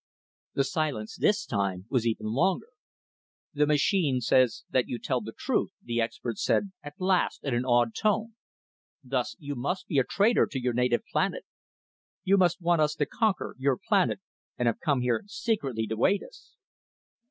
The silence this time was even longer. "The machine says that you tell the truth," the experts said at last, in a awed tone. "Thus, you must be a traitor to your native planet. You must want us to conquer your planet, and have come here secretly to aid us."